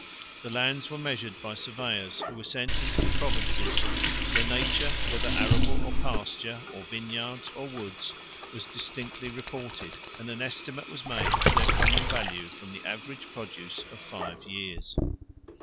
The lands were measured by surveyors, who were sent into the provinces; their nature, whether arable or pasture, or vineyards or woods, was distinctly reported; and an estimate was made of their common value from the average produce of five years.